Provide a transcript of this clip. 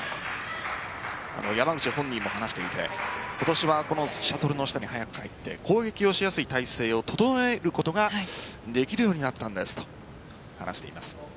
山口本人も話していて今年はシャトルの下に速く入って攻撃をしやすい体勢を整えることができるようになったんですと話しています。